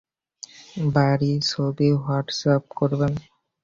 বাড়ির ছবি হোয়াটসঅ্যাপ করবেন।